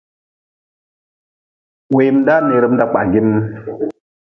Weemdaa neeerm da kpah geem.